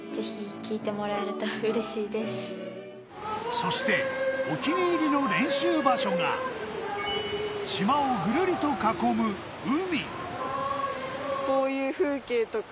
そして、お気に入りの練習場所が島をぐるりと囲む海。